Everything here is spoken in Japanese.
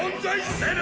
せぬ！